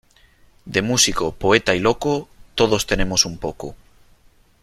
De músico, poeta y loco, todos tenemos un poco.